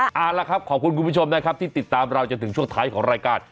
เอาละครับขอบคุณคุณผู้ชมนะครับที่ติดตามเราจนถึงช่วงท้ายของรายการ